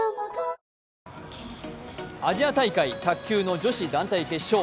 アジア大会、卓球の女子団体決勝。